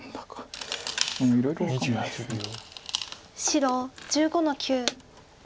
白１５の九。